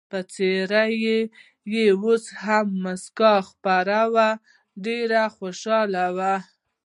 پر څېره یې اوس هم مسکا خپره وه، ډېر خوشحاله و.